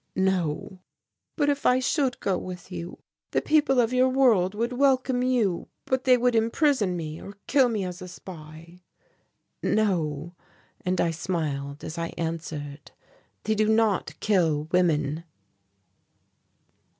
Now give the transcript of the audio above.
"No." "But if I should go with you, the people of your world would welcome you but they would imprison me or kill me as a spy." "No," and I smiled as I answered, "they do not kill women."